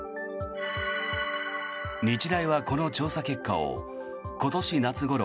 日大はこの調査結果を今年夏ごろ